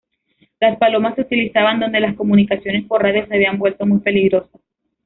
Las palomas se utilizaban donde las comunicaciones por radio se habían vuelto muy peligrosas.